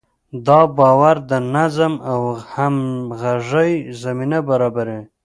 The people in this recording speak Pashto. دا باور د نظم او همغږۍ زمینه برابروي.